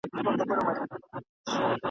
اوس هغه شیخان په ښکلیو کي لوبیږي !.